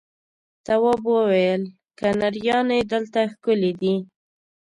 تواب وويل: کنریانې دلته ښکلې دي.